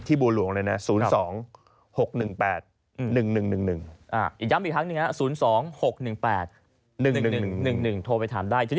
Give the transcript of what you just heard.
ที่บวงหลวงเลยนะ